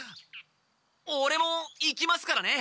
オレも行きますからね